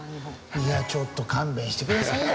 いやちょっと勘弁してくださいよ